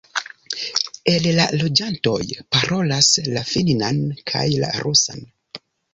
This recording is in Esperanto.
El la loĝantoj parolas la finnan kaj la rusan.